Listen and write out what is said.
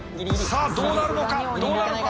さあどうなるのかどうなのか。